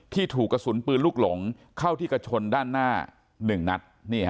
ถูกกระสุนปืนลูกหลงเข้าที่กระชนด้านหน้า๑นัด